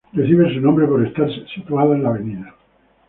Recibe su nombre por estar situada en la Av.